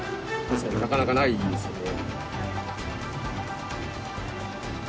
なかなかないですね。